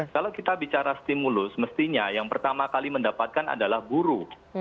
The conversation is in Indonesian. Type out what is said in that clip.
kalau kita bicara stimulus mestinya yang pertama kali mendapatkan adalah buruh